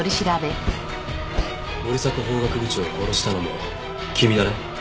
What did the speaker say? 森迫法学部長を殺したのも君だね？